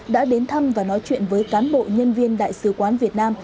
đã đến thăm và nói chuyện với cán bộ nhân viên đại sứ quán việt nam